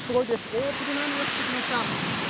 大粒の雨が降ってきました。